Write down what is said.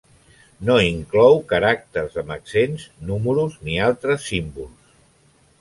No inclou caràcters amb accents, números ni altres símbols.